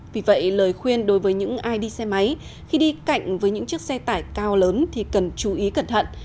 vì vậy lời khuyên đối với những ai đi xe máy khi đi cạnh với những chiếc xe tải cao lớn thì cần chú ý cẩn thận